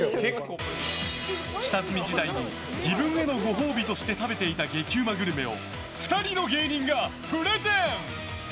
下積み時代に自分へのご褒美として食べていた激うまグルメを２人の芸人がプレゼン。